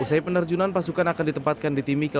usai penerjunan pasukan akan ditempatkan di daerah berbeda